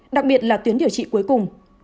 đặc biệt là tuyến điều trị cuối cùng